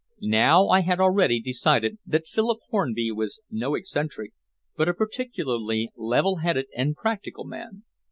Now I had already decided that Philip Hornby was no eccentric, but a particularly level headed and practical man.